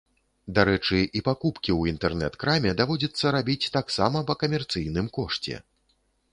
Дарэчы, і пакупкі ў інтэрнэт-краме даводзіцца рабіць таксама па камерцыйным кошце.